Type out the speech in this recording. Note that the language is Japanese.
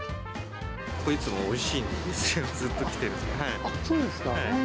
ここ、いつもおいしいんですそうですか。